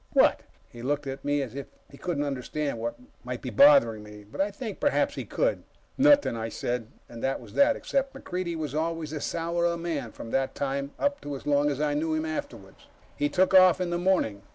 "What?" He looked at me as if he couldn't understand what might be bothering me, but I think perhaps he could. "Nothing," I said, and that was that, except MacReidie was always a sourer man from that time up to as long as I knew him afterwards. We took off in the morning.